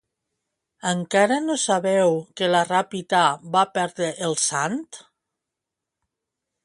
Encara no sabeu que la Ràpita va perdre el sant?